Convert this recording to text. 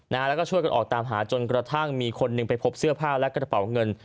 แล้วก็ช่วยกันออกตามหาจนกระทั่งมีคนหนึ่งไปพบเสื้อผ้าและกระเป๋าเงิน